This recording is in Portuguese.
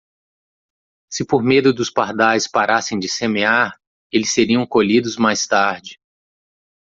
Se por medo dos pardais parassem de semear, eles seriam colhidos mais tarde.